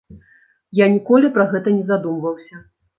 Я ніколі пра гэта не задумваўся.